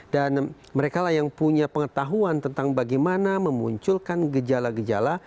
dan mereka lah yang punya pengetahuan tentang bagaimana memunculkan gejala gejala